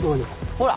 ほら。